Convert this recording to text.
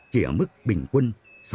chỉ ở mức bình quân